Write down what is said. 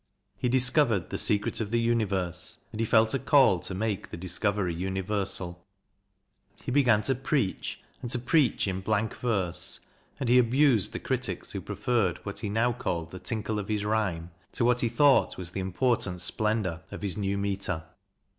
He discovered the secret of the Universe, and he felt a call to make the discovery universal. He began to preach, and to preach in blank verse ; and he abused the critics who preferred what he now called the tinkle of his rhyme to what he thought was the important splendour of his new metre.